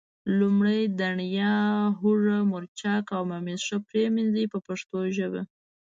لومړی دڼیا، هوګه، مرچک او ممیز ښه پرېمنځئ په پښتو ژبه.